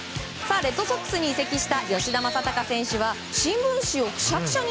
レッドソックスに移籍した吉田正尚投手は新聞紙をくしゃくしゃに。